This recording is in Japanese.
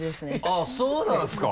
あっそうなんですか？